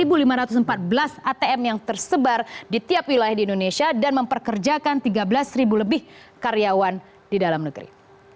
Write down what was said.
satu lima ratus empat belas atm yang tersebar di tiap wilayah di indonesia dan memperkerjakan tiga belas lebih karyawan di dalam negeri